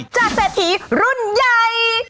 เศรษฐีรุ่นใหญ่